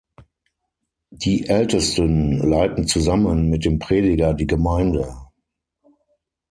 Die Ältesten leiten zusammen mit dem Prediger die Gemeinde.